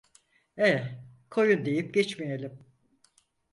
Eh, koyun deyip geçmeyelim.